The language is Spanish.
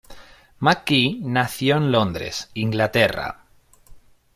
McKee nació en Londres, Inglaterra.